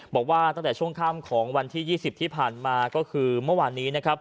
บอกว่าตั้งแต่ช่วงค่ำของวันที่๒๐ที่ผ่านมาก็คือเมื่อวานนี้นะครับ